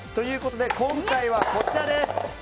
今回はこちらです。